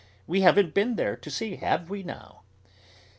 We haven't been there to see, have we now?"